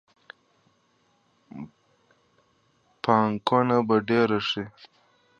پانګونه به ډیره شي.